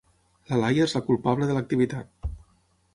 La Laia és la culpable de l'activitat.